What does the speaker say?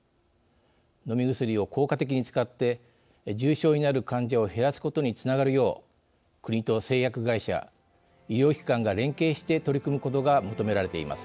飲み薬を効果的に使って重症になる患者を減らすことにつながるよう国と製薬会社医療機関が連携して取り組むことが求められています。